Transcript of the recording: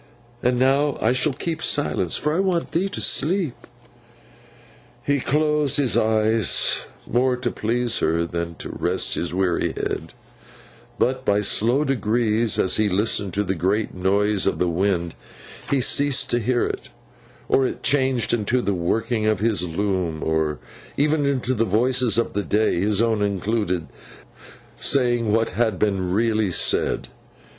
And now I shall keep silence, for I want thee to sleep.' He closed his eyes, more to please her than to rest his weary head; but, by slow degrees as he listened to the great noise of the wind, he ceased to hear it, or it changed into the working of his loom, or even into the voices of the day (his own included) saying what had been really said.